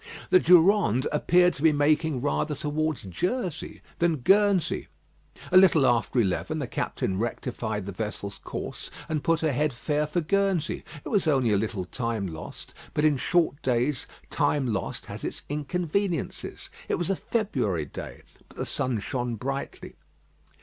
The Durande appeared to be making rather towards Jersey than Guernsey. A little after eleven the captain rectified the vessel's course, and put her head fair for Guernsey. It was only a little time lost, but in short days time lost has its inconveniences. It was a February day, but the sun shone brightly.